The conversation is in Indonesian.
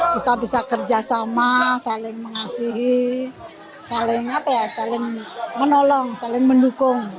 kita bisa kerjasama saling mengasihi saling menolong saling mendukung